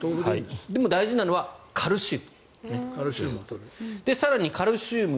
でも大事なのはカルシウム。